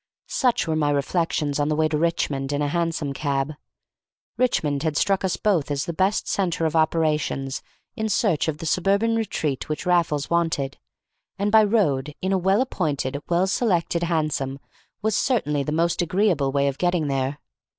Such were my reflections on the way to Richmond in a hansom cab. Richmond had struck us both as the best centre of operations in search of the suburban retreat which Raffles wanted, and by road, in a well appointed, well selected hansom, was certainly the most agreeable way of getting there.